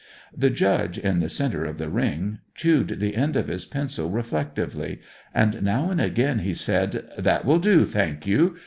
The Judge, in the centre of the ring, chewed the end of his pencil reflectively, and now and again he said, "That will do, thank you!"